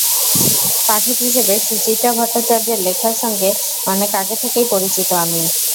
পাঠক হিসেবে সুচিত্রা ভট্টাচার্য্যের লেখার সঙ্গে অনেক আগে থেকেই পরিচিত আমি।